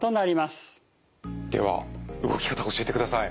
では動き方教えてください。